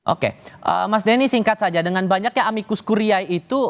oke mas denny singkat saja dengan banyak ya amikus korea itu